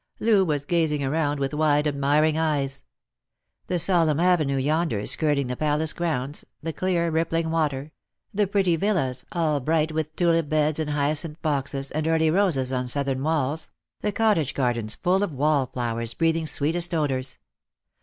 Loo was gazing around with wide admiring eyes. The solemn avenue yonder skirting the Palace grounds, the clear rippling water, Lost for Love. 103 the pretty villas, all bright with tulip beds and hyacinth boxes, and early roses on southern walls ; the cottage gardens full of wall flowers breathing sweetest odours.